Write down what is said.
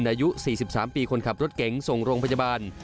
อายุสี่สิบสามปีคนขับรถเก๋งส่งโรงพยาบาล